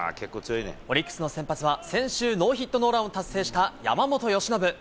オリックスの先発は先週、ノーヒットノーランを達成した山本由伸。